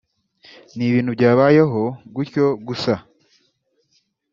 ni ibintu byabayeho gutyo gusa